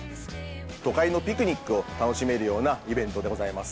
都会のピクニックを楽しめるようなイベントでございます。